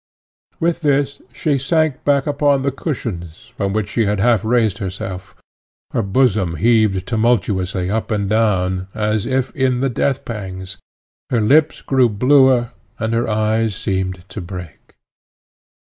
With this she sank back upon the cushions, from which she had half raised herself; her bosom heaved tumultuously up and down, as if, in the death pangs; her lips grew bluer, and her eyes seemed to break.